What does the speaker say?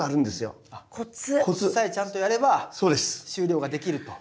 コツさえちゃんとやれば収量ができると。